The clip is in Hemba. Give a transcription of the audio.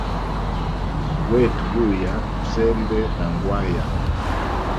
Wetu buya tusembe na ngwaya.